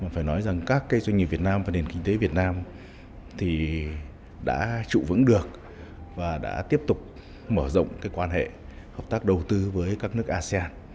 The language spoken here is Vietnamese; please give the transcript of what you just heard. phải nói rằng các doanh nghiệp việt nam và nền kinh tế việt nam thì đã trụ vững được và đã tiếp tục mở rộng cái quan hệ hợp tác đầu tư với các nước asean